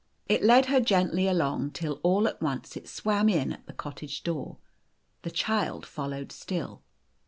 It led her gently along till all at once it swam in at a cottage door. The child followed still.